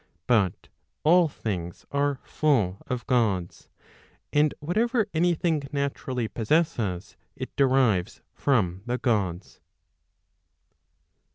But all things are full 1 of Gods. And whatever any thing naturally possesses, it derives from the Gods.